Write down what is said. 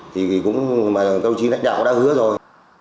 thì cũng mà đồng chí lãnh đạo đã hứa rồi